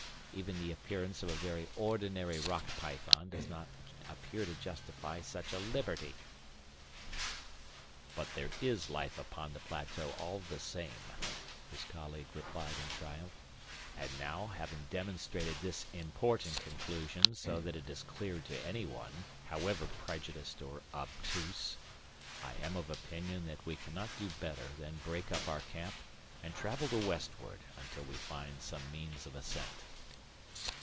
Even the appearance of a very ordinary rock python does not appear to justify such a liberty." "But there is life upon the plateau all the same," his colleague replied in triumph. "And now, having demonstrated this important conclusion so that it is clear to anyone, however prejudiced or obtuse, I am of opinion that we cannot do better than break up our camp and travel to westward until we find some means of ascent."